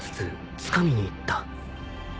つかみに行った